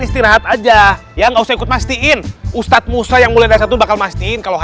istirahat aja ya nggak usah ikut mastiin ustadz musa yang mulai dari satu bakal masin kalau